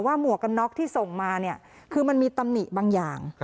หมวกกันน็อกที่ส่งมาเนี่ยคือมันมีตำหนิบางอย่าง